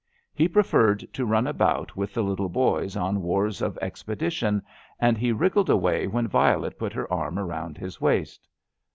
He preferred to run about with the little boys on wars of expedition, and he wriggled away when Violet put her arm around his waist.